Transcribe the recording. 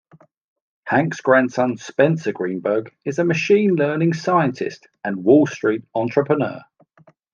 Hank's grandson Spencer Greenberg is a machine learning scientist and Wall Street entrepreneur.